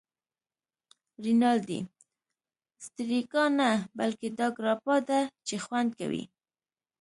رینالډي: سټریګا نه، بلکې دا ګراپا ده چې خوند کوی.